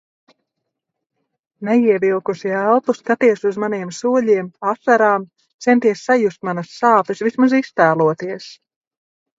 Neievilkusi elpu, skaties uz maniem soļiem, asarām, centies sajust manas sāpes, vismaz iztēloties.